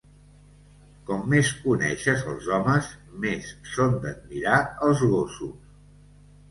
Com més coneixes els homes, més són d'admirar els gossos.